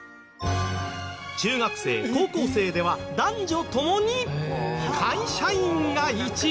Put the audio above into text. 中学生高校生では男女共に会社員が１位。